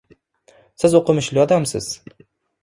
Siz o‘qimishli odamsiz.